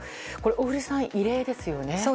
小栗さん、異例ですよね。